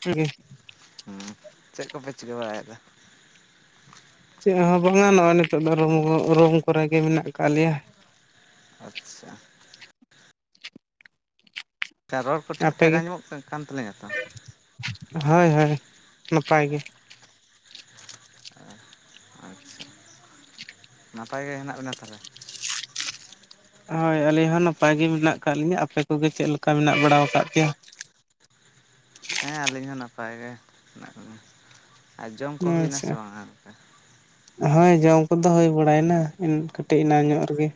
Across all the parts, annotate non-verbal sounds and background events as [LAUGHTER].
ᱴᱷᱤᱜ ᱜᱮ ᱦᱩᱸ ᱪᱮᱫ ᱠᱚᱯᱮ ᱪᱤᱠᱟᱹ ᱵᱟᱲᱟᱭᱫᱟ? ᱪᱮᱫ ᱦᱚᱸ ᱵᱟᱝᱟ ᱱᱚᱜᱼᱚᱭ ᱱᱤᱛᱚᱜ ᱫᱚ ᱨᱩᱢ, ᱨᱩᱢ ᱠᱚᱨᱮᱜ ᱜᱮ ᱢᱮᱱᱟᱜ ᱟᱠᱟᱫ ᱞᱮᱭᱟ᱾ ᱟᱪᱪᱷᱟ᱾ ᱨᱚᱲ ᱠᱚ ᱴᱷᱤᱠ-ᱴᱷᱟᱠ ᱟᱯᱮᱜᱮ ᱟᱡᱚᱢᱚᱜ ᱠᱟᱱ ᱛᱟᱹᱞᱤᱧᱟ ᱛᱚ? ᱦᱳᱭ ᱦᱳᱭ ᱱᱟᱯᱟᱭ ᱜᱮ᱾ ᱟᱪᱪᱷᱟ ᱱᱟᱯᱟᱭ ᱜᱮ ᱦᱮᱱᱟᱜ ᱵᱮᱱᱟ ᱛᱟᱦᱚᱞᱮ? ᱦᱳᱭ ᱟᱹᱞᱤᱧ ᱦᱚᱸ ᱱᱟᱯᱟᱭ ᱜᱮ ᱢᱮᱱᱟᱜ ᱠᱟᱫ ᱞᱤᱧᱟᱹ᱾ᱟᱯᱮ ᱠᱚᱜᱮ ᱪᱮᱫ ᱞᱮᱠᱟ ᱢᱮᱱᱟᱜ ᱵᱟᱲᱟ ᱟᱠᱟᱫ ᱯᱮᱭᱟ? ᱦᱮᱸ ᱟᱹᱞᱤᱧ ᱦᱚᱸ ᱱᱟᱯᱟᱭ ᱜᱮ ᱦᱮᱱᱟᱜ ᱞᱤᱧᱟ, ᱟᱨ ᱡᱚᱢ ᱠᱚ ᱦᱩᱭᱱᱟ ᱥᱮ ᱟᱪᱪᱷᱟ ᱵᱟᱝᱟ ᱠᱟ ᱦᱳᱭ ᱡᱚᱢ ᱠᱚᱫᱚ ᱦᱩᱭᱳ ᱵᱟᱲᱟᱭᱮᱱᱟ ᱠᱟᱹᱴᱤᱡ ᱮᱱᱟᱱ ᱧᱚᱜ ᱨᱮᱜᱮ᱾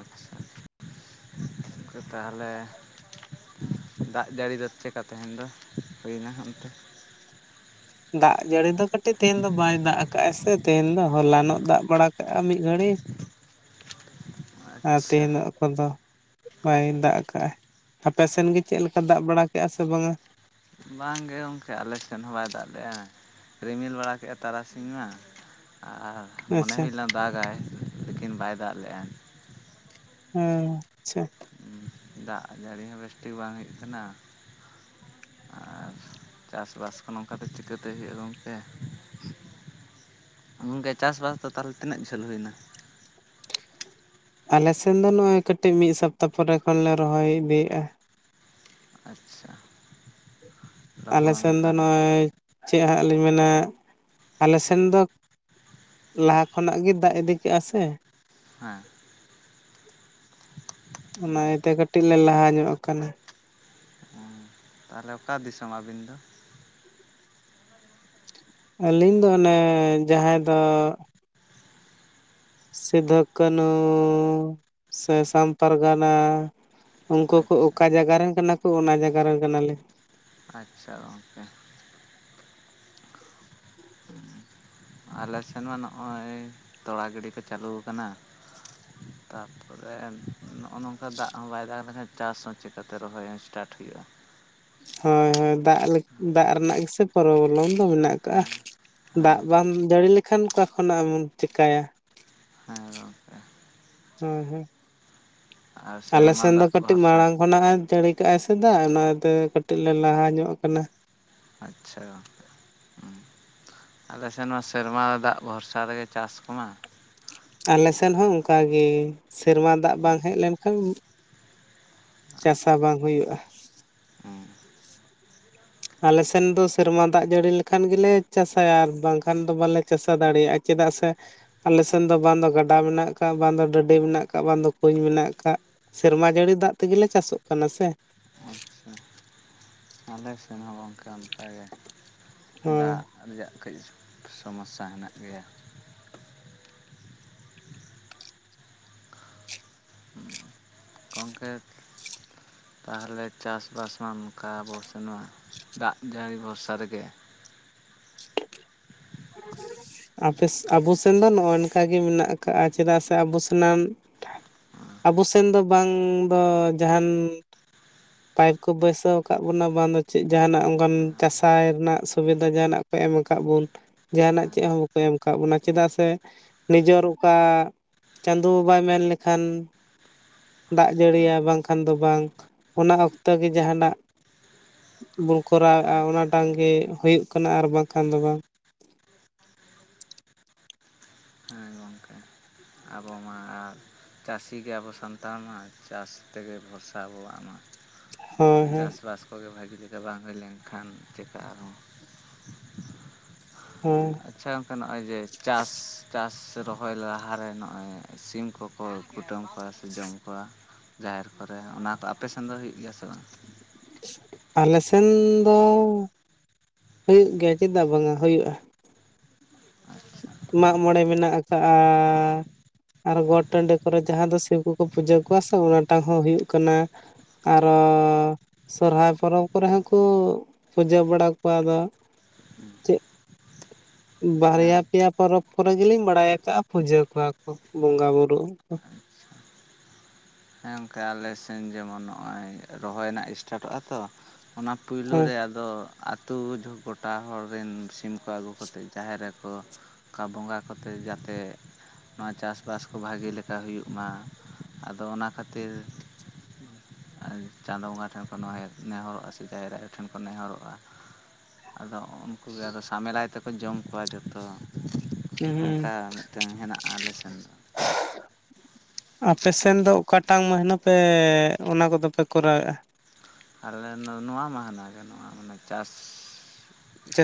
ᱟᱪᱪᱷᱟ [UNINTELLIGIBLE] ᱛᱟᱦᱚᱞᱮ ᱫᱟᱜ ᱡᱟᱹᱲᱤ ᱫᱚ ᱪᱮᱜᱠᱟ ᱛᱮᱦᱮᱧ ᱫᱚ ᱦᱩᱭᱱᱟ ᱚᱱᱛᱮ? ᱫᱟᱜ ᱡᱟᱹᱲᱤ ᱫᱚ ᱠᱟᱹᱴᱤᱡ ᱛᱮᱦᱮᱧ ᱫᱚ ᱵᱟᱭ ᱫᱟᱜ ᱟᱠᱟᱜᱼᱟ ᱥᱮ ᱛᱮᱦᱤᱧ ᱫᱚ ᱦᱚᱞᱟᱱᱚᱜ ᱫᱟᱜ ᱵᱟᱲᱟ ᱠᱟᱜᱼᱟ ᱢᱤᱫ ᱜᱷᱟᱹᱲᱤᱡ, [UNINTELLIGIBLE] ᱟᱨ ᱛᱤᱦᱤᱧ ᱠᱚᱫᱚ ᱵᱟᱭ ᱫᱟᱜ ᱠᱟᱜ-ᱟᱭ, ᱟᱯᱮ ᱥᱮᱱ ᱜᱮ ᱪᱮᱫ ᱞᱮᱠᱟ ᱫᱟᱜ ᱵᱟᱲᱟ ᱠᱮᱫᱼᱟ ᱥᱮ ᱵᱟᱝᱟ? ᱵᱟᱝ ᱜᱮ ᱜᱚᱢᱠᱮ ᱟᱞᱮ ᱥᱮᱱ ᱦᱚᱸ ᱵᱟᱭ ᱫᱟᱜ ᱞᱮᱫᱼᱟ᱾ ᱨᱤᱢᱤᱞ ᱵᱟᱲᱟ ᱠᱮᱜᱼᱟ ᱛᱟᱨᱟᱥᱤᱧ ᱢᱟ, ᱟᱨ ᱢᱚᱱᱮ ᱟᱪᱪᱷᱟ ᱦᱩᱭ ᱞᱮᱱᱟ ᱫᱟᱜᱟᱭ, ᱞᱮᱠᱤᱱ ᱵᱟᱭ ᱫᱟᱜ ᱞᱮᱜ-ᱟ᱾ ᱦᱮᱸ ᱟᱪᱪᱷᱟ᱾ ᱫᱟᱜ ᱡᱟᱹᱲᱤ ᱦᱚᱸ ᱵᱮᱥᱴᱷᱤᱠ ᱵᱟᱝ ᱦᱩᱭᱩᱜ ᱠᱟᱱᱟ, ᱟᱨ ᱪᱟᱥᱼᱵᱟᱥ ᱠᱚ ᱱᱚᱝᱠᱟ ᱛᱮ ᱪᱤᱠᱟᱹᱛᱮ ᱦᱩᱭᱩᱜᱼᱟ ᱜᱚᱝᱠᱮ [INAUDIBLE] ᱜᱚᱢᱠᱮ ᱪᱟᱥᱵᱟᱥ ᱫᱚ ᱛᱟᱦᱚᱞᱮ ᱛᱤᱱᱟᱹᱜ ᱡᱷᱟᱹᱞ ᱦᱩᱭᱱᱟ? ᱟᱞᱮ ᱥᱮᱱ ᱫᱚ ᱱᱚᱜ ᱚᱭ ᱠᱟᱹᱴᱤᱡ ᱢᱤᱫ ᱥᱚᱯᱛᱟᱦ ᱯᱚᱨᱮ ᱠᱷᱚᱱ ᱞᱮ ᱨᱚᱦᱚᱭ ᱤᱫᱤᱭᱮᱫᱼᱟ ᱟᱪᱷᱟ ᱟᱞᱮ ᱥᱮᱱ ᱫᱚ ᱱᱚᱜᱼᱚᱭ ᱪᱮᱫ ᱦᱟᱸᱜ ᱞᱤᱧ ᱢᱮᱱᱟ ᱟᱞᱮ ᱥᱮᱱ ᱫᱚ ᱞᱟᱦᱟ ᱠᱷᱚᱱᱟᱜ ᱜᱮ ᱫᱟᱜ ᱤᱫᱤ ᱠᱮᱜᱼᱟ ᱥᱮ ᱦᱮᱸ ᱚᱱᱟ ᱤᱭᱟᱹᱛᱮ ᱠᱟᱹᱴᱤᱡ ᱞᱮ ᱞᱟᱦᱟ ᱧᱚᱜ ᱟᱠᱟᱱᱟ ᱦᱩᱸ ᱛᱟᱦᱚᱞᱮ ᱚᱠᱟ ᱫᱤᱥᱚᱢ ᱟᱹᱵᱤᱱ ᱫᱚ ᱟᱹᱞᱤᱧ ᱫᱚ ᱚᱱᱮ ᱡᱟᱦᱟᱸ ᱫᱚ ᱥᱤᱫᱩ ᱠᱟᱹᱱᱦᱩ ᱥᱮ ᱥᱟᱢ ᱯᱟᱨᱜᱟᱱᱟ ᱩᱱᱠᱩ ᱠᱚ ᱟᱪᱪᱷᱟ ᱚᱠᱟ ᱡᱟᱭᱜᱟ ᱨᱮᱱ ᱠᱟᱱᱟ ᱠᱚ ᱚᱱᱟ ᱡᱟᱭᱜᱟ ᱨᱮᱱ ᱠᱟᱱᱟᱞᱮ ᱟᱪᱪᱷᱟ ᱜᱚᱢᱠᱮ ᱟᱞᱮ ᱥᱮᱫ ᱢᱟ ᱱᱚᱜᱼᱚᱭ ᱛᱚᱞᱟ ᱜᱤᱰᱤ ᱠᱚ ᱪᱟᱹᱞᱩ ᱠᱟᱱᱟ ᱛᱟᱯᱚᱨᱮ ᱱᱚᱜᱼᱚ ᱱᱚᱝᱠᱟ ᱫᱟᱜ ᱦᱚᱸ ᱵᱟᱭ ᱫᱟᱜ ᱞᱮᱠᱷᱟᱱ ᱪᱟᱥ ᱦᱚᱸ ᱪᱤᱠᱟ ᱠᱟᱛᱮ ᱨᱚᱦᱚᱭ ᱦᱚ. ᱥᱴᱟᱴ ᱦᱩᱭᱩᱜᱼᱟ ᱦᱳᱭ ᱦᱳᱭ ᱫᱟᱜ ᱫᱟᱜ ᱨᱮᱱᱟᱜ ᱜᱮᱥᱮ ᱯᱨᱚᱵᱽᱞᱮᱢ ᱫᱚ ᱢᱮᱱᱟᱜ ᱠᱟᱜᱼᱟ ᱦᱮᱸ ᱫᱟᱜ ᱦᱮᱸ ᱵᱟᱝ ᱡᱟᱹᱲᱤ ᱞᱮᱠᱷᱟᱱ ᱚᱠᱟ ᱠᱷᱚᱱᱟᱜ ᱮᱢ ᱪᱤᱠᱟᱹᱭᱟ? ᱦᱮᱸ ᱜᱚᱝᱠᱮ ᱦᱮᱸ ᱦᱮᱸ ᱟᱞᱮ ᱥᱮᱨᱢᱟ ᱥᱮᱱ ᱫᱚ ᱫᱟᱜ ᱠᱟᱹᱴᱤᱡ ᱵᱷᱚᱨᱥᱟ ᱢᱟᱲᱟᱝ ᱠᱷᱚᱱᱟᱜ ᱡᱟᱹᱲᱤ [INAUDIBLE] ᱥᱮᱫᱟᱜ ᱚᱱᱟᱛᱮ ᱠᱟᱹᱴᱤᱡ ᱞᱮ ᱞᱟᱦᱟ ᱧᱚᱜ ᱟᱠᱟᱱᱟ ᱟᱪᱪᱷᱟ ᱟᱞᱮ ᱥᱮᱱ ᱱᱚᱣᱟ ᱥᱮᱨᱢᱟ ᱨᱮ ᱫᱟᱜ ᱵᱷᱚᱨᱥᱟ ᱨᱮᱜᱮ ᱪᱟᱥ ᱠᱚᱢᱟ ᱟᱞᱮ ᱥᱮᱫ ᱦᱚᱸ ᱚᱱᱠᱟᱜᱮ ᱥᱮᱨᱢᱟ ᱫᱟᱜ ᱵᱟᱝ ᱦᱮᱡ ᱞᱮᱱᱠᱷᱟᱱ ᱟᱨ ᱪᱟᱥᱟ ᱵᱟᱝ ᱦᱩᱭᱩᱜᱼᱟ ᱦᱮᱸ ᱟᱞᱮ ᱥᱮᱱ ᱫᱚ ᱥᱮᱨᱢᱟ ᱫᱟᱜ ᱡᱟᱹᱲᱤ ᱞᱮᱠᱷᱟᱱ ᱜᱮᱞᱮ ᱪᱟᱥᱟᱭᱟ ᱟᱨ ᱵᱟᱝᱠᱷᱟᱱ ᱫᱚ ᱵᱟᱞᱮ ᱪᱟᱥᱟ ᱫᱟᱲᱮᱭᱟᱜᱼᱟ ᱪᱮᱫᱟᱜ ᱥᱮ ᱟᱞᱮᱥᱮᱱ ᱫᱚ ᱵᱟᱝ ᱫᱚ ᱜᱟᱰᱟ ᱢᱮᱱᱟᱜ ᱟᱠᱟᱫ ᱵᱟᱝ ᱫᱚ ᱰᱟᱹᱰᱤ ᱢᱮᱱᱟᱜ ᱟᱠᱟᱫ ᱵᱟᱝ ᱫᱚ ᱠᱩᱧ ᱢᱮᱱᱟᱜ ᱟᱠᱟᱫ ᱥᱮᱨᱢᱟ ᱡᱟᱹᱲᱤ ᱫᱟᱜ ᱛᱮᱜᱮᱞᱮ ᱪᱟᱥᱚᱜ ᱠᱟᱱᱟ ᱥᱮ ᱟᱪᱪᱷᱟ [INAUDIBLE] ᱟᱞᱮ ᱥᱮᱱ ᱦᱚᱸ ᱜᱚᱢᱠᱮ ᱚᱱᱠᱟᱜᱮ ᱦᱳᱭ ᱫᱟᱜ ᱨᱮᱭᱟᱜ ᱠᱟᱹᱡ ᱥᱚᱢᱚᱥᱥᱟ ᱦᱮᱱᱟᱜ ᱜᱮᱭᱟ ᱠᱚᱝᱠᱨ [INAUDIBLE] ᱛᱟᱦᱞᱮ ᱪᱟᱥᱵᱟᱥ ᱢᱟ ᱱᱚᱝᱠᱟ ᱟᱵᱚ ᱥᱮᱱ ᱢᱟ ᱫᱟᱜ ᱡᱟᱹᱲᱤ ᱵᱷᱚᱨᱥᱟ ᱨᱮᱜᱮ [UNINTELLIGIBLE] ᱟᱯᱮᱥ ᱟᱵᱚ ᱥᱮᱱ ᱫᱚ ᱱᱚᱜᱼᱚ ᱱᱚᱝᱠᱟᱜᱮ ᱢᱮᱱᱟᱜ ᱟᱠᱟᱜᱼᱟ ᱪᱮᱫᱟᱜ ᱥᱮ ᱟᱵᱚ ᱥᱟᱱᱟᱢ ᱟᱵᱚ ᱥᱮᱱ ᱫᱚ ᱵᱟᱝ ᱫᱚ ᱡᱟᱦᱟᱱ ᱯᱟᱭᱤᱯ ᱠᱚ ᱵᱟᱹᱭᱥᱟᱹᱣ ᱟᱠᱟᱫ ᱵᱚᱱᱟ ᱵᱟᱝ ᱫᱚ ᱪᱮᱫ ᱡᱟᱦᱟᱱᱟᱜ ᱚᱱᱠᱟᱱ ᱪᱟᱥᱟᱭ ᱨᱮᱱᱟᱜ ᱥᱩᱵᱤᱫᱷᱟ ᱡᱟᱦᱟᱱᱟᱜ ᱮᱢ ᱟᱠᱟᱫ ᱵᱚᱱ ᱡᱟᱦᱟᱱᱟᱜ ᱪᱮᱫ ᱦᱚᱸ ᱵᱟᱠᱚ ᱮᱢ ᱟᱠᱟᱫ ᱵᱚᱱᱟ ᱪᱮᱫᱟᱜ ᱥᱮ ᱱᱤᱡᱚᱨ ᱚᱠᱟ ᱪᱟᱸᱫᱚ ᱵᱟᱭ ᱢᱮᱱ ᱞᱮᱠᱷᱟᱱ ᱫᱟᱜ ᱡᱟᱹᱲᱤᱭᱟ ᱵᱟᱝᱠᱷᱟᱱ ᱫᱚ ᱵᱟᱝ ᱚᱱᱟ ᱚᱠᱛᱚ ᱜᱮ ᱡᱟᱦᱟᱱᱟᱜ ᱵᱚᱱ ᱠᱚᱨᱟᱣᱮᱫᱼᱟ ᱟᱪᱪᱷᱟ ᱚᱱᱟᱴᱟᱝ ᱜᱮ ᱦᱩᱭᱩᱜ ᱠᱟᱱᱟ ᱟᱨ ᱵᱟᱝᱠᱷᱟᱱ ᱫᱚ ᱵᱟᱝ ᱦᱮᱸ ᱜᱚᱢᱠᱮ ᱟᱵᱚ ᱢᱟ ᱟᱨ ᱪᱟᱹᱥᱤ ᱜᱮ ᱟᱵᱚ ᱥᱟᱱᱛᱟᱲ ᱢᱟ ᱪᱟᱥ ᱛᱮᱜᱮ ᱵᱷᱚᱨᱥᱟ ᱟᱵᱚᱣᱟᱜ ᱢᱟ ᱦᱳᱭ ᱦᱳᱭ ᱪᱟᱥᱼᱵᱟᱥ ᱠᱚᱜᱮ ᱵᱷᱟᱹᱜᱤ ᱞᱮᱠᱟ ᱵᱟᱝ ᱦᱩᱭ ᱞᱮᱱᱠᱷᱟᱱ ᱪᱮᱠᱟ ᱟᱨ ᱦᱚᱸ ᱦᱮᱸ [UNINTELLIGIBLE] ᱟᱪᱪᱷᱟ ᱜᱚᱝᱠᱮ ᱱᱚᱜᱼᱚᱭ ᱡᱮ ᱪᱟᱥ ᱪᱟᱥ ᱨᱚᱦᱚᱭ ᱞᱟᱦᱟᱨᱮ ᱱᱚᱜᱼᱚᱭ ᱥᱤᱢ ᱠᱚ ᱠᱚ ᱠᱩᱴᱟᱹᱢ ᱠᱚᱣᱟ ᱥᱮ ᱡᱚᱢ ᱠᱚᱣᱟ ᱡᱟᱦᱮᱨ ᱠᱚᱨᱮ ᱚᱱᱟ ᱫᱚ ᱟᱯᱮ ᱥᱮᱱ ᱫᱚ ᱦᱩᱭᱩᱜ ᱜᱮᱭᱟ ᱥᱮ ᱵᱟᱝ ᱟᱞᱮ ᱥᱮᱱ ᱫᱚ ᱦᱩᱭᱩᱜ ᱜᱮᱭᱟ ᱪᱮᱫᱟᱜ ᱵᱟᱝᱟ ᱦᱩᱭᱩᱜᱼᱟ ᱢᱟᱜ ᱢᱚᱬᱮ ᱢᱮᱱᱟᱜ ᱟᱠᱟᱜᱼᱟᱻᱟ ᱟᱨ ᱜᱚᱴ ᱴᱟᱺᱰᱤ ᱠᱚᱨᱮ ᱡᱟᱦᱟᱸ ᱫᱚ ᱥᱤᱵ ᱠᱚᱠᱚ ᱯᱩᱡᱟᱹ ᱠᱚᱣᱟ ᱥᱮ ᱚᱱᱟᱴᱟᱝ ᱦᱚᱸ ᱦᱩᱭᱩᱜ ᱠᱟᱱᱟ ᱟᱨᱚᱻᱚ ᱥᱚᱨᱦᱟᱭ ᱯᱚᱨᱚᱵᱽ ᱠᱚᱨᱮ ᱦᱚᱸᱠᱚ ᱯᱩᱡᱟᱹ ᱵᱟᱲᱟ ᱠᱚᱣᱟ ᱟᱫᱚ ᱦᱮᱸ ᱪᱮᱫ [UNINTELLIGIBLE] ᱵᱟᱨᱭᱟ ᱯᱮᱭᱟ ᱯᱚᱨᱚᱵᱽ ᱠᱚᱨᱮ ᱜᱮᱞᱤᱧ ᱵᱟᱲᱟᱭ ᱟᱠᱟᱜᱼᱟ ᱯᱩᱡᱟᱹ ᱠᱚᱣᱟ ᱠᱚ ᱵᱚᱸᱜᱟ ᱵᱩᱨᱩ ᱜᱚᱝᱠᱮ ᱟᱞᱮ ᱥᱮᱱ ᱡᱮᱢᱚᱱ ᱱᱚᱜᱼᱚᱭ ᱨᱚᱦᱚᱭ ᱱᱟᱜ ᱤᱥᱴᱟᱨᱴᱚᱜᱼᱟ ᱛᱚ ᱚᱱᱟ ᱯᱩᱭᱞᱩ ᱦᱮᱸ ᱨᱮ ᱟᱫᱚ ᱟᱹᱛᱩ ᱜᱚᱴᱟ ᱦᱚᱲ ᱨᱮᱱ ᱥᱤᱢ ᱠᱚ ᱟᱹᱜᱩ ᱠᱚᱛᱮ ᱡᱟᱦᱮᱨ ᱨᱮᱠᱚ ᱚᱱᱠᱟ ᱵᱚᱸᱜᱟ ᱠᱚᱛᱮ ᱡᱟᱛᱮ ᱱᱚᱣᱟ ᱪᱟᱥᱼᱵᱟᱥ ᱠᱚ ᱵᱷᱟᱜᱮ ᱞᱮᱠᱟ ᱦᱩᱭᱩᱜ-ᱢᱟ ᱟᱫᱚ ᱚᱱᱟ ᱠᱷᱟᱹᱛᱤᱨ ᱪᱟᱸᱫᱳ ᱵᱚᱸᱜᱟ ᱴᱷᱮᱱ ᱠᱚ ᱱᱮᱦᱚᱨᱚᱜᱼᱟ ᱥᱮ ᱡᱟᱦᱮᱨ ᱟᱭᱳ ᱴᱷᱮᱱ ᱠᱚ ᱱᱮᱦᱚᱨᱚᱜᱼᱟ ᱟᱫᱚ ᱩᱱᱠᱩ ᱜᱮ ᱟᱫᱚ ᱥᱟᱢᱮᱞᱟᱭ ᱛᱮᱠᱚ ᱡᱚᱢ ᱠᱚᱣᱟ ᱡᱚᱛᱚ ᱦᱩᱸ ᱚᱱᱠᱟ ᱢᱤᱫᱴᱟᱹᱝ ᱦᱮᱱᱟᱜᱼᱟ ᱟᱞᱮ ᱥᱮᱱ ᱫᱚ ᱟᱯᱮ ᱥᱮᱱ ᱫᱚ ᱚᱠᱟᱴᱟᱜ ᱢᱟᱹᱦᱱᱟᱹ ᱯᱮ ᱚᱱᱟ ᱠᱚᱫᱚ ᱯᱮ ᱠᱚᱨᱟᱣᱮᱫᱼᱟ ᱟᱞᱮ ᱱᱚᱣᱟ ᱢᱟᱹᱦᱱᱟᱹ ᱜᱮ ᱱᱚᱣᱟ ᱢᱟᱱᱮ ᱪᱟᱥ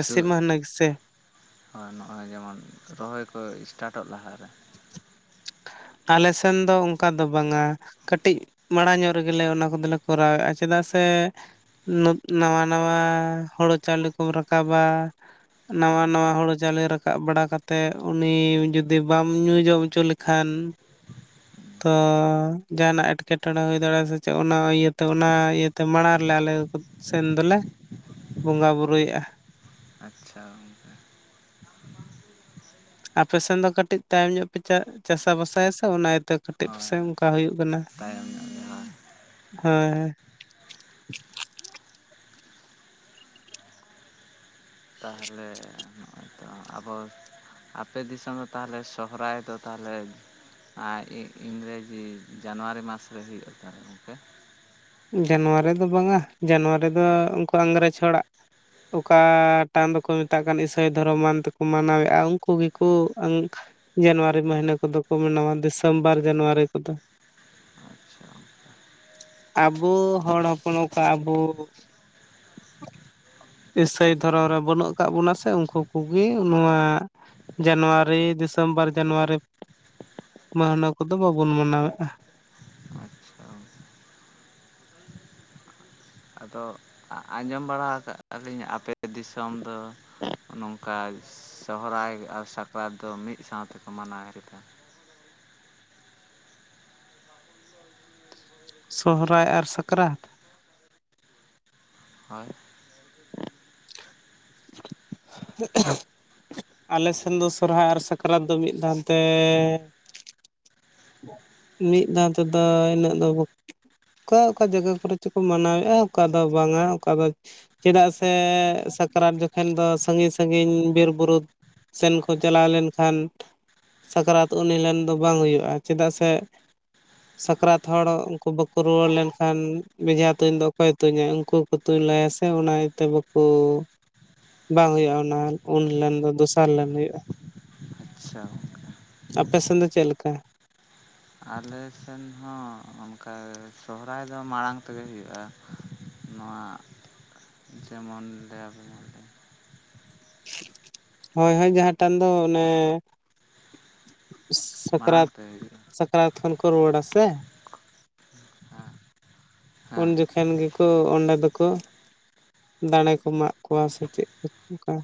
ᱥᱚ ᱢᱟᱹᱦᱱᱟᱹ ᱜᱮᱥᱮ [UNINTELLIGIBLE] ᱦᱳᱭ ᱱᱚᱜᱼᱚᱭ ᱡᱮᱢᱚᱱ ᱨᱚᱦᱚᱭ ᱠᱚ ᱤᱥᱴᱟᱴᱚᱜ ᱞᱟᱦᱟᱨᱮ ᱟᱞᱮ ᱥᱮᱱ ᱫᱚ ᱚᱱᱠᱟ ᱫᱚ ᱵᱟᱝᱟᱹ ᱠᱟᱹᱴᱤᱡ ᱢᱟᱲᱟᱝ ᱧᱚᱜ ᱨᱮᱜᱮᱞᱮ ᱚᱱᱟ ᱠᱚᱫᱚᱞᱮ ᱠᱚᱨᱟᱣᱮᱫᱼᱟ ᱪᱮᱫᱟᱜ ᱥᱮ [UNINTELLIGIBLE] ᱱᱟᱣᱟ ᱱᱟᱣᱟ ᱦᱳᱲᱳ ᱪᱟᱣᱞᱮ ᱠᱚ ᱨᱟᱠᱟᱵᱟᱹ ᱱᱟᱶᱟ ᱱᱟᱶᱟ ᱦᱩᱲᱩ ᱪᱟᱣᱮ ᱨᱟᱠᱟᱵ ᱵᱟᱲᱟ ᱠᱟᱛᱮᱜ ᱩᱱᱤ ᱡᱩᱫᱤ ᱵᱟᱢ ᱧᱩ ᱡᱚᱢ ᱦᱚᱪᱚ ᱠᱷᱟᱱ ᱦᱩᱸ [UNINTELLIGIBLE] ᱛᱚ ᱡᱟᱦᱟᱱᱟᱜ ᱮᱴᱠᱮᱴᱚᱬᱮ ᱦᱩᱭ ᱫᱟᱲᱮᱭᱟᱜᱼᱟ ᱥᱮ ᱪᱮᱫ ᱚᱱᱟ ᱤᱭᱟᱹᱛᱮ ᱚᱱᱟ ᱤᱭᱟᱹᱛᱮ ᱢᱟᱲᱟᱝ ᱨᱮᱞᱮ ᱟᱞᱮ ᱥᱮᱱ ᱫᱚᱞᱮ ᱵᱚᱸᱜᱟ ᱵᱳᱨᱳᱭᱮᱜᱼᱟ ᱟᱪᱪᱷᱟ ᱟᱯᱮ ᱥᱮᱱ ᱫᱚ ᱠᱟᱹᱴᱤᱡ ᱛᱟᱭᱚᱢ ᱧᱚᱜ ᱯᱮ ᱪᱟ ᱪᱟᱥᱟ ᱵᱟᱥᱟᱭᱟ ᱥᱮ ᱚᱱᱟ ᱤᱭᱟᱹᱛᱮ ᱠᱟᱹᱴᱤᱡ ᱦᱳᱭ ᱯᱟᱥᱮᱡ ᱚᱱᱠᱟ ᱦᱩᱭᱩᱜ ᱠᱟᱱᱟ ᱛᱟᱭᱚᱢ ᱧᱚᱜ ᱜᱮ ᱦᱟᱸᱜ ᱦᱳᱭ [UNINTELLIGIBLE] ᱛᱟᱦᱚᱞᱮ ᱱᱚᱜᱼᱚᱭ ᱛᱚ ᱟᱵᱚ ᱟᱯᱮ ᱫᱤᱥᱚᱢ ᱫᱚ ᱛᱟᱦᱚᱞᱮ ᱥᱚᱦᱚᱨᱟᱭ ᱫᱚ ᱛᱟᱦᱚᱞᱮ ᱟ ᱤ ᱤᱝᱨᱮᱡᱤ ᱡᱟᱱᱩᱣᱟᱨᱤ ᱢᱟᱥ ᱨᱮ ᱦᱩᱭᱩᱜᱼᱟ ᱛᱟᱦᱞᱮ ᱜᱚᱢᱠᱮ ᱡᱟᱱᱩᱣᱟᱨᱤ ᱫᱚ ᱵᱟᱝᱟ ᱡᱟᱱᱩᱣᱟᱨᱤ ᱫᱚ ᱩᱱᱠᱩ ᱤᱝᱨᱮᱡᱽ ᱦᱚᱲᱟᱜ ᱚᱠᱟᱴᱟᱱ ᱫᱚᱠᱚ ᱢᱮᱛᱟᱜ ᱠᱟᱱ ᱤᱥᱟᱹᱭ ᱫᱷᱚᱨᱚᱢᱟᱱ ᱛᱮᱠᱚ ᱢᱟᱱᱟᱣᱮᱼᱟ ᱩᱱᱠᱩ ᱜᱮᱠᱚ ᱟᱝ ᱡᱟᱱᱩᱣᱟᱨᱤ ᱢᱟᱹᱦᱱᱟᱹ ᱠᱚᱫᱚ ᱠᱚ ᱢᱱᱟᱣᱟ ᱰᱤᱥᱮᱢᱵᱚᱨ ᱡᱟᱱᱩᱣᱟᱨᱤ ᱠᱚᱫᱚ ᱟᱪᱪᱷᱟ ᱟᱵᱚ ᱦᱚᱲ ᱦᱚᱯᱚᱱ ᱚᱠᱟ ᱟᱵᱚ [INAUDIBLE] ᱤᱥᱟᱹᱭ ᱫᱷᱚᱨᱚᱢ ᱨᱮ ᱵᱟᱹᱱᱩᱜ ᱟᱠᱟ ᱵᱚᱱᱟ ᱥᱮ ᱩᱱᱠᱩ ᱠᱚᱜᱮ ᱱᱚᱣᱟ ᱡᱟᱱᱩᱣᱟᱨᱤ ᱰᱤᱥᱮᱢᱵᱚᱨ ᱡᱟᱱᱩᱣᱟᱨᱤ ᱢᱟ ᱱᱚᱣᱟ ᱠᱚᱫᱚ ᱵᱟᱵᱚᱱ ᱢᱟᱱᱟᱣᱮᱫᱼᱟ᱾ ᱟᱪᱪᱷᱟ ᱟᱫᱚ ᱟᱸᱡᱚᱢ ᱵᱟᱲᱟ ᱠᱟᱜᱼᱟ ᱞᱤᱧ ᱟᱯᱮ ᱫᱤᱥᱚᱢ ᱫᱚ ᱱᱚᱝᱠᱟ ᱚᱱᱠᱟ ᱥᱚᱦᱨᱟᱭ ᱟᱨ ᱥᱟᱠᱨᱟᱛ ᱫᱚ ᱢᱤᱫ ᱥᱟᱶᱛᱮᱠᱚ ᱢᱟᱱᱟᱣᱮᱫᱟ ᱥᱚᱦᱨᱟᱭ ᱟᱨ ᱥᱟᱠᱨᱟᱛ, ᱦᱳᱭ [INAUDIBLE] ᱟᱞᱮ ᱥᱮᱱ ᱫᱚ ᱥᱚᱨᱦᱟᱭ ᱟᱨ ᱥᱟᱠᱨᱟᱛ ᱫᱚ ᱢᱤᱫ ᱫᱷᱟᱱᱛᱮᱻ ᱢᱤᱫ ᱫᱷᱟᱣ ᱛᱮᱫᱚ ᱤᱱᱟᱹᱜ ᱫᱚ ᱚᱠᱟ ᱚᱠᱟ ᱡᱟᱭᱜᱟ ᱠᱚᱨᱮ ᱪᱚᱠᱚ ᱢᱟᱱᱟᱣᱮᱫᱼᱟ ᱚᱠᱟ ᱫᱚ ᱵᱟᱝᱟ ᱚᱠᱟ ᱫᱚ ᱪᱮᱫᱟᱜ ᱥᱮ ᱥᱟᱠᱨᱟᱛ ᱡᱚᱠᱷᱚᱱ ᱫᱚ ᱥᱟᱺᱜᱤᱧ ᱥᱟᱺᱜᱤᱧ ᱵᱤᱨᱼᱵᱩᱨᱩ ᱥᱮᱱ ᱠᱚ ᱪᱟᱞᱟᱣ ᱞᱮᱱᱠᱷᱟᱱ ᱥᱟᱠᱨᱟᱛ ᱩᱱᱦᱤᱞᱱ ᱫᱚ ᱵᱟᱝ ᱦᱩᱭᱩᱜᱼᱟ ᱪᱮᱫᱟᱜ ᱥᱮ [INAUDIBLE] ᱥᱟᱠᱨᱟᱛ ᱦᱚᱲ ᱩᱱᱠᱩ ᱵᱟᱠᱚ ᱨᱩᱭᱟᱹᱲ ᱞᱮᱱᱠᱷᱟᱱ ᱵᱮᱡᱷᱟ ᱛᱩᱧ ᱫᱚ ᱚᱠᱚᱭᱮ ᱛᱩᱧᱟ ᱩᱱᱠᱩ ᱛᱩᱧ ᱞᱟᱭᱟ ᱥᱮ ᱚᱱᱟ ᱤᱭᱟᱹᱛᱮ ᱵᱟᱠᱚ ᱵᱟᱝ ᱦᱩᱭᱩᱜᱼᱟ ᱚᱱᱟ ᱩᱱᱞᱮᱱ ᱫᱚ ᱫᱚᱥᱟᱨ ᱞᱮᱱ ᱦᱩᱭᱩᱜᱼᱟ ᱟᱪᱷᱟ ᱟᱯᱮᱥᱮᱱ ᱫᱚ ᱪᱮᱫ ᱞᱮᱠᱟ ᱟᱞᱮ ᱥᱮᱱ ᱦᱚᱸ ᱚᱱᱠᱟ ᱥᱚᱦᱨᱟᱭ ᱫᱚ ᱢᱟᱲᱟᱝ ᱛᱮᱜᱮ ᱦᱩᱭᱩᱜᱼᱟ ᱱᱚᱣᱟ ᱡᱮᱢᱚᱱ ᱞᱟᱹᱭᱟᱵᱚᱱ ᱦᱳᱭ ᱦᱳᱭ ᱡᱟᱦᱟᱸ ᱴᱟᱱ ᱫᱚ ᱚᱱᱮ ᱢᱟᱲᱟᱝ ᱥᱟᱠᱨᱟᱛ, ᱛᱮ ᱦᱩᱭᱩᱜᱼᱟ ᱥᱟᱠᱨᱟᱛ ᱠᱷᱚᱱ ᱠᱚ ᱨᱩᱣᱟᱹᱲᱟ ᱥᱮ ᱦᱟᱸ ᱩᱱ ᱡᱚ ᱠᱷᱮᱱ ᱜᱮᱠᱚ ᱚᱸᱰᱮ ᱫᱚᱠᱚ ᱫᱟᱲᱮ ᱠᱚ ᱢᱟᱜ ᱠᱚᱣᱟ ᱥᱮ ᱪᱮᱫ ᱚᱱᱠᱟ᱾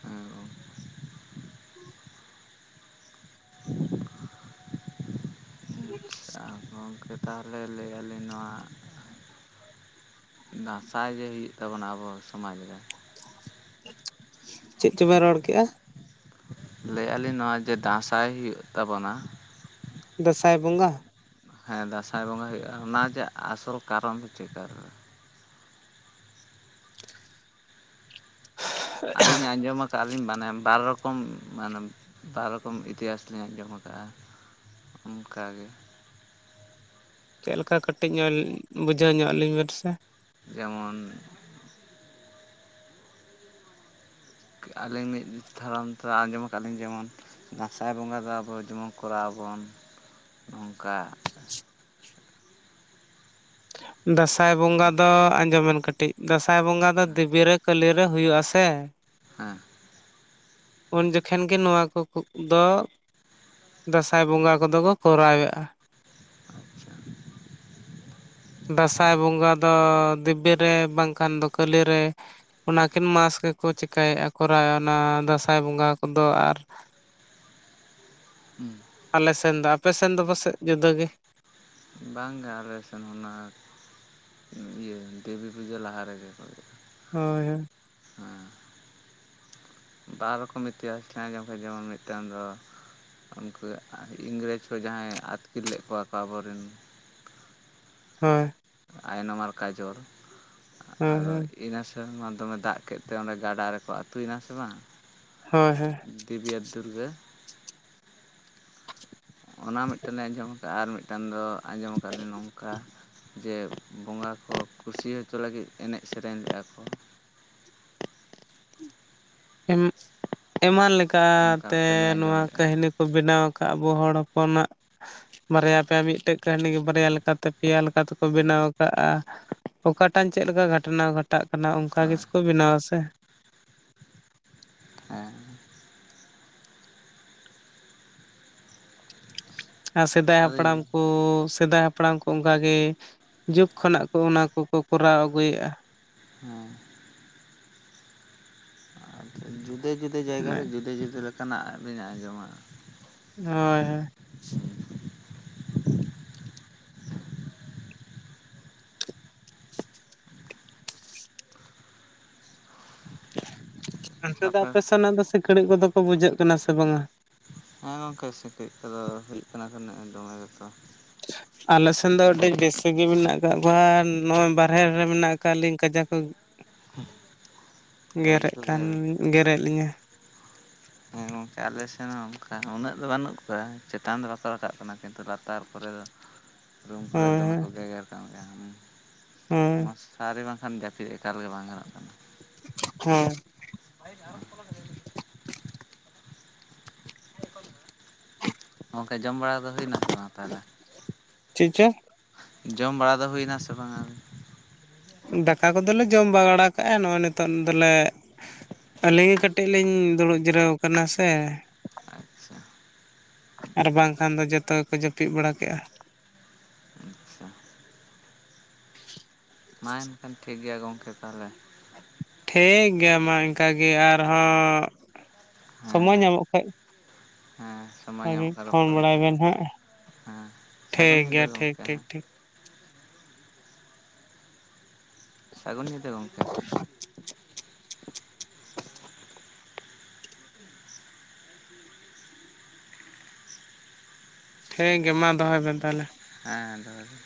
ᱦᱮᱸ ᱜᱚᱝᱠᱮ, [INAUDIBLE] ᱜᱚᱸᱠᱮ ᱛᱟᱦᱚᱞᱮ ᱞᱟᱹᱭ ᱟᱹᱞᱤᱧ ᱱᱚᱣᱟ ᱫᱟᱸᱥᱟᱭ ᱡᱮ ᱦᱩᱭᱩᱜ ᱛᱟᱵᱚᱱᱟ ᱟᱵᱚ ᱥᱚᱢᱟᱡᱽ ᱨᱮ ᱪᱮ ᱪᱚ ᱵᱮᱱ ᱨᱚᱲ ᱠᱮᱜᱼᱟ ᱞᱟᱹᱭᱫ ᱞᱤᱧ ᱱᱚᱭ ᱡᱮ ᱫᱟᱸᱥᱟᱭ ᱦᱩᱭᱩᱜ ᱛᱟᱵᱚᱱᱟ ᱫᱟᱸᱥᱟᱭ ᱵᱚᱸᱜᱟ ᱦᱮᱸ ᱫᱟᱸᱥᱟᱭ ᱵᱚᱸᱜᱟ ᱦᱩᱭᱩᱜᱼᱟ ᱚᱱᱟ ᱡᱮ ᱟᱥᱚᱞ ᱠᱟᱨᱚᱱ ᱫᱚ ᱪᱤᱠᱟᱨ ᱟᱹᱞᱤᱧ ᱟᱸᱡᱚᱢᱟ ᱟᱹᱞᱤᱧ ᱢᱟᱱᱮ ᱵᱟᱨ ᱨᱚᱠᱚᱢ ᱢᱟᱱᱮ ᱵᱟᱨ ᱨᱚᱠᱚᱢ ᱤᱛᱤᱦᱟᱥ ᱞᱤᱧ ᱟᱸᱡᱚᱢ ᱟᱠᱟᱼᱟ ᱚᱱᱠᱟᱜᱮ ᱪᱮᱫ ᱞᱮᱠᱟ ᱠᱟᱹᱴᱤᱡ ᱧᱚᱜ ᱵᱩᱡᱷᱟᱹᱣ ᱧᱚᱜ ᱞᱤᱧ ᱵᱮᱱ ᱥᱮ ᱡᱮᱢᱚᱱ ᱟᱹᱞᱤᱧ ᱢᱤᱫ ᱫᱟᱲᱟᱢ ᱛᱮ ᱟᱸᱡᱚᱢ ᱟᱠᱟᱫ ᱞᱤᱧ ᱡᱮᱢᱚᱱ ᱫᱟᱸᱥᱟᱭ ᱵᱚᱸᱜᱟ ᱫᱚ ᱟᱵᱚ ᱡᱮᱢᱚᱱ ᱠᱚᱨᱟᱣ ᱟᱵᱚᱱ ᱱᱚᱝᱠᱟ ᱫᱟᱸᱥᱟᱭ ᱵᱚᱸᱜᱟ ᱫᱚ ᱟᱸᱡᱚᱢᱮᱱ ᱠᱟᱹᱴᱤᱡ ᱫᱟᱸᱥᱟᱭ ᱵᱚᱸᱜᱟ ᱫᱚ ᱫᱮᱵᱤᱨᱮ ᱠᱟᱹᱞᱤᱨᱮ ᱦᱩᱭᱩᱜᱼᱟ ᱥᱮ ᱦᱮᱸ᱾ ᱩᱱ ᱡᱚᱠᱷᱟᱱ ᱜᱮ ᱱᱚᱣᱟ ᱠ ᱠᱚ ᱫᱚ ᱫᱟᱸᱥᱟᱭ ᱵᱚᱸᱜᱟ ᱠᱚᱫᱚ ᱠᱚ ᱠᱚᱨᱟᱣᱮᱜ-ᱟ᱾ ᱟᱪᱪᱷᱟ ᱫᱟᱸᱥᱟᱭ ᱵᱚᱸᱜᱟ ᱫᱚ ᱫᱮᱵᱤ ᱨᱮ ᱵᱟᱝᱠᱷᱟᱱ ᱫᱚ ᱠᱟᱹᱞᱤ ᱨᱮ᱾ ᱚᱱᱟ ᱠᱤᱱ ᱢᱟᱥ ᱜᱮᱠᱚ ᱪᱤᱠᱟ ᱭᱮᱜ-ᱟ ᱠᱚᱨᱟᱣ ᱚᱱᱟ ᱫᱟᱸᱥᱟᱭ ᱵᱚᱸᱜᱟ ᱠᱚᱫᱚ ᱟᱨᱼᱼ ᱦᱮᱸ ᱟᱞᱮ ᱥᱮᱱ ᱫᱚ ᱟᱯᱮ ᱥᱮᱱ ᱫᱚ ᱵᱟᱥᱮᱡ ᱡᱩᱫᱟᱹ ᱜᱮ? ᱵᱟᱝ ᱜᱮ ᱟᱞᱮ ᱥᱮᱱ ᱦᱚᱸ ᱱᱟᱜ ᱤᱭᱟᱹ ᱫᱮᱵᱤ ᱯᱩᱡᱟᱹ ᱞᱟᱦᱟ ᱨᱮᱜᱮ ᱠᱚ ᱦᱳᱭ ᱦᱳᱭ᱾ ᱦᱮᱸ ᱵᱟᱨ ᱨᱚᱠᱚᱢ ᱤᱛᱤᱦᱟᱥ ᱛᱮᱸ ᱟᱧᱡᱚᱢ ᱠᱟᱜ ᱡᱮᱢᱚᱱ ᱢᱤᱫᱴᱟᱱ ᱫᱚᱼᱼ ᱩᱱᱠᱩ ᱟᱜ ᱤᱝᱨᱟᱹᱡᱽ ᱠᱚ ᱡᱟᱦᱟᱸᱭ ᱟᱛᱠᱤᱨ ᱞᱮᱫ ᱠᱚᱣᱟ ᱠᱚ ᱟᱵᱚ ᱨᱮᱱ᱾ ᱦᱳᱭ᱾ ᱟᱭᱱᱚᱢ ᱟᱨ ᱠᱟᱡᱚᱨ ᱦᱳᱭ ᱟᱫᱚ ᱦᱳᱭ ᱤᱱᱟᱹᱥᱼᱼ ᱥᱮᱨᱢᱟ‌ ᱫᱚᱢᱮ ᱫᱟᱜ ᱠᱮᱫ ᱛᱮ ᱚᱸᱰᱮ ᱜᱟᱰᱟ ᱨᱮᱠᱚ ᱟᱛᱩ ᱭᱮᱱᱟ ᱥᱮ ᱵᱟᱝᱼᱼ ᱦᱚᱭ ᱦᱚᱭ᱾ ᱫᱮᱵᱤᱭᱟ ᱫᱩᱨᱜᱟᱹ᱾ ᱚᱱᱟ ᱢᱤᱫ ᱴᱟᱱᱮ ᱟᱸᱡᱚᱢ ᱠᱟᱜ-ᱟ ᱟᱨ ᱢᱤᱫ ᱴᱟᱱ ᱫᱚ ᱟᱸᱡᱚᱢ ᱟᱠᱟᱫ ᱞᱤᱧ ᱱᱚᱝᱠᱟ᱾ ᱡᱮ ᱵᱚᱸᱜᱟ ᱠᱚ ᱠᱩᱥᱤ ᱦᱚᱪᱚ ᱞᱟᱜᱤᱫ ᱮᱱᱮᱡ ᱥᱮᱨᱮᱧ ᱞᱮᱜ-ᱟ ᱠᱚ᱾ ᱮᱢ ᱟᱭᱢᱟ ᱞᱮᱠᱟ ᱚᱱᱠᱟ ᱛᱮ ᱢᱤᱫᱴᱮᱱ ᱞᱤᱧ ᱟᱸᱡᱚᱢ ᱱᱚᱣᱟ ᱞᱮᱫᱼᱟ ᱠᱟᱹᱦᱱᱤᱼᱼ ᱠᱚ ᱵᱮᱱᱟᱣ ᱟᱠᱟᱜ-ᱟ ᱟᱵᱚ ᱦᱚᱲ ᱦᱚᱯᱚᱱᱟᱜ᱾ ᱵᱟᱨᱭᱟ ᱯᱮᱭᱟ ᱢᱤᱫᱴᱮᱡ ᱠᱟᱹᱦᱱᱤ ᱜᱮ ᱵᱟᱨᱭᱟ ᱞᱮᱠᱟ ᱛᱮ ᱯᱮᱭᱟ ᱞᱮᱠᱟ ᱛᱮᱠᱚ ᱵᱮᱱᱟᱣ ᱠᱟᱜ-ᱟ᱾ ᱚᱠᱟ ᱴᱟᱝ ᱪᱮᱜ ᱞᱮᱠᱟ ᱜᱷᱟᱴᱱᱟ ᱜᱷᱟᱴᱟᱜ ᱠᱟᱱᱟ, ᱚᱱᱠᱟ ᱜᱮ ᱦᱳᱭ ᱥᱮ ᱠᱚ ᱵᱮᱱᱟᱣᱟ ᱥᱮ᱾ ᱦᱮᱸ ᱟᱨ ᱥᱮᱫᱟᱭ ᱟᱫᱚ ᱦᱟᱯᱲᱟᱢ ᱠᱚᱻᱥᱼᱼ ᱥᱮᱫᱟᱭ ᱦᱟᱯᱲᱟᱢ ᱠᱚ ᱚᱱᱠᱟ ᱜᱮ ᱡᱩᱜᱽ ᱠᱷᱚᱱᱟᱜ ᱠᱚ ᱚᱱᱟ ᱠᱚᱠᱚ ᱠᱚᱨᱟᱣ ᱟᱜᱩ ᱮᱜ-ᱟ᱾ ᱦᱮᱸ ᱟᱫᱚ ᱡᱩᱫᱼᱼ ᱡᱩᱫᱟᱹ ᱡᱩᱫᱟᱹ ᱡᱟᱭᱜᱟ ᱨᱮ ᱡᱩᱫᱟᱹ ᱡᱩᱫᱟᱹ ᱞᱮᱠᱟ ᱱᱟᱜ ᱵᱤᱱ ᱟᱸᱡᱚᱢᱟ᱾ ᱦᱳᱭ ᱦᱳᱭ᱾ ᱚᱱᱛᱮ ᱫᱚ ᱛᱟᱨᱯᱚᱨᱮ ᱟᱯᱮ ᱥᱮ ᱱᱟᱜ ᱫᱚ ᱥᱤᱠᱬᱤᱡ ᱠᱚ ᱫᱚ ᱠᱚ ᱵᱩᱡᱷᱟᱹᱜ ᱠᱟᱱᱟ ᱥᱮ ᱵᱟᱝᱟ? ᱦᱮᱸ ᱜᱚᱝᱠᱮ ᱥᱤᱠᱲᱤᱡ ᱠᱚᱫᱚ ᱦᱩᱭᱩᱜ ᱠᱟᱱᱟ ᱠᱚ ᱱᱮᱜ-ᱮ ᱫᱚᱢᱮ ᱜᱮᱛᱚ᱾ ᱟᱞᱮ ᱥᱮᱱ ᱫᱚ ᱟᱹᱰᱤ ᱵᱮᱥᱼᱼ [UNINTELLIGIBLE] ᱢᱤᱱᱟᱜ ᱟᱠᱟᱜ ᱠᱚᱣᱟ ᱱᱚᱜ-ᱚᱭ ᱵᱟᱨᱦᱮ ᱨᱮ ᱢᱮᱱᱟᱜ ᱟᱠᱟᱜ ᱞᱤᱧ ᱠᱟᱡᱟᱠ ᱠᱚᱼᱼ ᱡᱟᱹᱡᱤ ᱜᱮᱨᱮᱜ ᱠᱚᱜᱮ ᱠᱟᱱ ᱜᱮᱨᱮᱜ ᱞᱤᱧᱟᱹ᱾ ᱦᱮᱸ ᱜᱚᱝᱠᱮ ᱟᱞᱮ ᱥᱮᱱ ᱦᱚᱸ ᱚᱱᱠᱟ ᱩᱱᱟᱹᱜ ᱫᱚ ᱵᱟᱱᱩᱜ ᱠᱚᱣᱟ, ᱪᱮᱛᱟᱱ ᱫᱚ ᱵᱟ ᱠᱚ ᱨᱟᱠᱟᱵ ᱠᱟᱱᱟ ᱠᱤᱱᱛᱩ ᱞᱟᱛᱟᱨ ᱠᱚᱨᱮ ᱫᱚᱼᱼ ᱨᱩᱢ ᱦᱮᱸ ᱠᱚᱨᱮ ᱫᱚᱢᱮ ᱠᱚ ᱜᱮᱜᱮᱨ ᱠᱟᱱ ᱜᱮᱭᱟ ᱩᱢᱸ ᱦᱮᱸ ᱢᱚᱥᱼᱼ ᱟᱨᱮ ᱵᱟᱝᱠᱷᱟᱱ ᱡᱟᱯᱤᱫ ᱮᱠᱟᱞ ᱜᱮ ᱵᱟᱝ ᱜᱟᱱᱚᱜ ᱠᱟᱱᱟ᱾ ᱦᱮᱸ᱾ ᱵᱟᱭᱤᱠ‌ ᱟᱨᱚ [UNINTELLIGIBLE] [INAUDIBLE] ᱜᱚᱝᱠᱮ ᱡᱚᱢ ᱵᱟᱲᱟ ᱫᱚ ᱦᱩᱭᱮᱱᱟ ᱥᱮ ᱵᱟᱝ ᱛᱟᱦᱚᱞᱮ? ᱪᱤᱫ ᱪᱚ? ᱡᱚᱢ ᱵᱟᱲᱟ ᱫᱚ ᱦᱩᱭᱱᱟ ᱥᱮ ᱵᱟᱝᱟ ᱟᱨ? ᱫᱟᱠᱟ ᱠᱚᱫᱚ ᱞᱮ ᱡᱚᱢ ᱵᱟᱲᱟ ᱠᱟᱜ-ᱟ᱾ ᱱᱚᱜ-ᱚᱭ ᱱᱤᱛᱚᱜ ᱫᱚᱞᱮᱼᱼ ᱟᱹᱞᱤᱧ ᱜᱮ ᱠᱟᱹᱴᱤᱡ ᱞᱤᱧ ᱫᱩᱲᱩᱵ ᱡᱤᱨᱟᱹᱣ ᱠᱟᱱᱟ ᱥᱮ᱾ ᱟᱪᱪᱷᱟ᱾ ᱟᱨ ᱵᱟᱝᱠᱷᱟᱱ ᱫᱚ ᱡᱚᱛᱚ ᱜᱮᱠᱚ ᱡᱟᱹᱯᱤᱫ ᱵᱟᱲᱟ ᱠᱮᱜ-ᱟ᱾ ᱟᱪᱪᱷᱟ ᱢᱟ ᱮᱱᱠᱷᱟᱱ ᱴᱷᱤᱠ ᱜᱮᱭᱟ ᱜᱚᱝᱠᱮ ᱛᱟᱦᱚᱞᱮ᱾ ᱴᱷᱤᱠ ᱜᱮᱭᱟ ᱢᱟ ᱮᱱᱠᱟ ᱜᱮ ᱟᱨ ᱦᱚᱸ ᱦᱮᱸ ᱥᱚᱢᱚᱭ ᱦᱮᱸ ᱧᱟᱢᱚᱜ ᱠᱷᱟᱡᱼᱼ ᱦᱮᱸ ᱥᱚᱢᱼᱼ ᱚᱱᱠᱟ ᱜᱮ ᱯᱷᱳᱱ ᱵᱟᱲᱟᱭ ᱵᱮᱱ ᱦᱟᱸᱜ᱾ ᱦᱮᱸ ᱥᱟᱹᱜᱩᱱ ᱴᱷᱤᱠ ᱧᱤᱫᱟᱹ ᱜᱮᱭᱟ ᱴᱷᱤᱠ ᱜᱚᱝᱠᱮ ᱴᱷᱤᱠ ᱦᱮᱸ ᱴᱷᱤᱠ᱾ ᱥᱟᱜᱩᱱ ᱧᱤᱫᱟᱹ ᱜᱚᱝᱠᱮ᱾ ᱴᱷᱤᱠ ᱜᱮᱭᱟ ᱢᱟ ᱫᱚᱦᱚᱭ ᱵᱮᱱ ᱛᱟᱦᱚᱞᱮ᱾ ᱦᱮᱸ ᱫᱚᱦᱚᱭ ᱫᱟᱹᱼᱼ